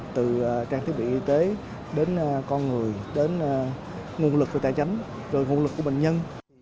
từ trang thiết bị y tế đến con người đến nguồn lực của tài chánh rồi nguồn lực của bệnh nhân